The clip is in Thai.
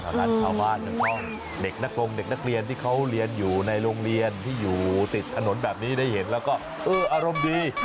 งั้นชาวบ้านจะต้องเด็กนักลงเด็กนักเรียนที่เขาเรียนอยู่ในโรงเรียนที่อยู่ติดถนนแบบนี้ได้เห็นแล้วก็เอออารมณ์ดี